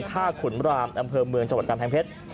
ขุนรามอำเภอเมืองจังหวัดกำแพงเพชร